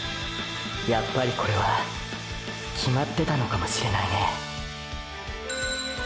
やっぱりこれは決まってたのかもしれないね